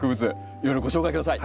いろいろご紹介下さい。